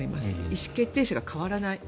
意思決定者が変わらない。